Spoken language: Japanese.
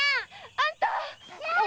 あんたっ！